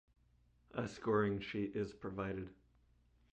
A scoring sheet is provided.